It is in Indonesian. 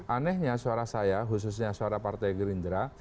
anehnya suara saya khususnya suara partai gerindra